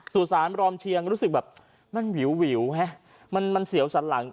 สู่ศาลลอมเฉียงรู้สึกแบบมันวิววิวไหมมันมันเสี่ยวสันหลัง